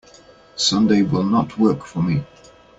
Sunday will not work for me.